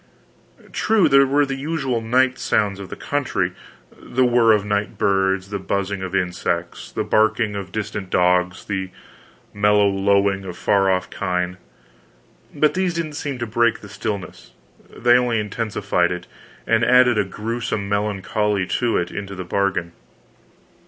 True, there were the usual night sounds of the country the whir of night birds, the buzzing of insects, the barking of distant dogs, the mellow lowing of far off kine but these didn't seem to break the stillness, they only intensified it, and added a grewsome melancholy to it into the bargain.